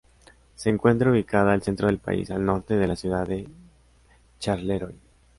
Se encuentra ubicada al centro del país, al norte de la ciudad de Charleroi.